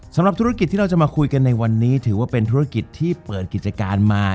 สำหรับธุรกิจที่เราจะมาคุยกันในวันนี้ถือว่าเป็นธุรกิจที่เปิดกิจการมา